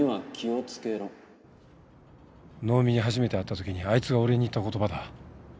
能見に初めて会った時にあいつが俺に言った言葉だ。